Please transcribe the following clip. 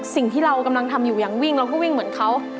สิ่งที่เรากำลังทำอยู่อย่างวิ่งเราก็วิ่งเหมือนเขา